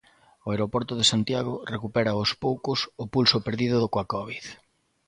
O aeroporto de Santiago recupera aos poucos o pulso perdido coa covid.